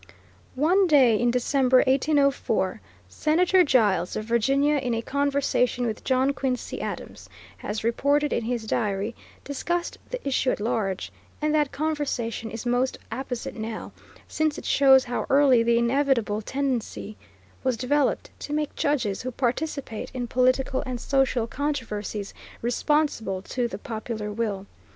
One day in December, 1804, Senator Giles, of Virginia, in a conversation which John Quincy Adams has reported in his diary, discussed the issue at large, and that conversation is most apposite now, since it shows how early the inevitable tendency was developed to make judges who participate in political and social controversies responsible to the popular will.